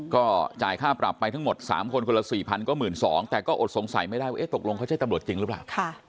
ก็จ่ายค่าปรับไปทั้งหมด๓คนคนละ๔๐๐ก็๑๒๐๐แต่ก็อดสงสัยไม่ได้ว่าตกลงเขาใช่ตำรวจจริงหรือเปล่า